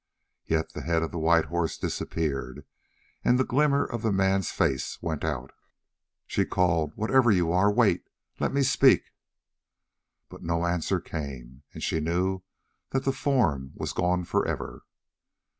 Yet the head of the white horse disappeared, and the glimmer of the man's face went out. She called: "Whatever you are, wait! Let me speak!" But no answer came, and she knew that the form was gone forever.